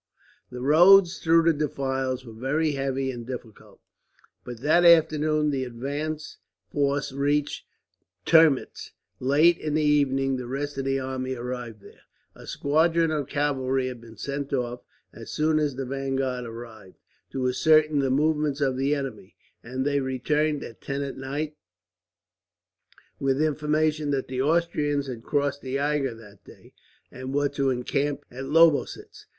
The roads through the defiles were very heavy and difficult, but that afternoon the advance force reached Termitz. Late in the evening the rest of the army arrived there. A squadron of cavalry had been sent off, as soon as the vanguard arrived, to ascertain the movements of the enemy; and they returned, at ten at night, with information that the Austrians had crossed the Eger that day, and were to encamp at Lobositz.